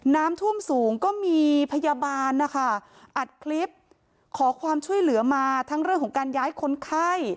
น้ำท่วมสูงก็มีพยาบาลนะคะอัดคลิปขอความช่วยเหลือมาทั้งเรื่องของการย้ายคนไข้